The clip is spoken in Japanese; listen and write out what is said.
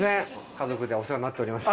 家族でお世話になっております。